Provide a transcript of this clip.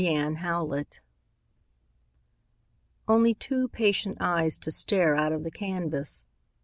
FADED PICTURES Only two patient eyes to stare Out of the canvas.